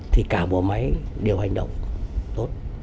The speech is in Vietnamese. thì cả bộ máy đều hành động tốt